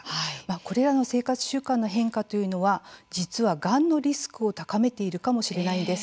これらの生活習慣の変化というのは実はがんのリスクを高めているかもしれないんです。